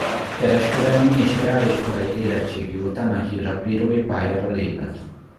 Kereskedelmi és reáliskolai érettségi után a hírlapírói pályára lépett.